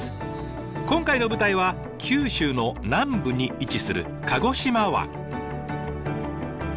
今回の舞台は九州の南部に位置する鹿児島湾。